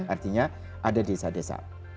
artinya ada desa desa